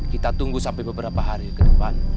kita tunggu sampai beberapa hari ke depan